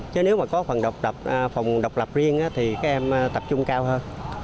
chứ nếu mà có phòng độc lập riêng thì các em tập trung cao hơn